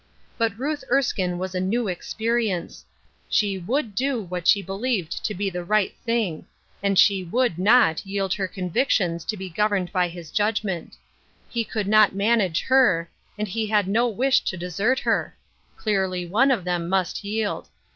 But Ruth Erskine was a new experience — she would do what she believed to be the right 268 Duty's Burden, 259 thing ; and she would not yield her convictions to be governed by his judgment. He could not manage her^ and he had no wish to desert her. Clearly one of them must yield.